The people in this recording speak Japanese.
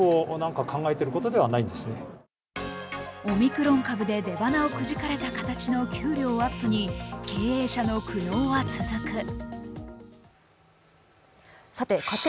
オミクロン株で出ばなをくじかれた形の給料アップに経営者の苦悩は続く。